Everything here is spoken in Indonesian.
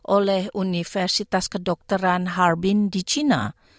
oleh universitas kedokteran harbin di cina